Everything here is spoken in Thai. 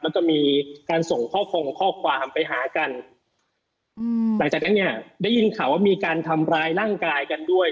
แล้วก็มีการส่งข้อคงข้อความไปหากันอืมหลังจากนั้นเนี่ยได้ยินข่าวว่ามีการทำร้ายร่างกายกันด้วย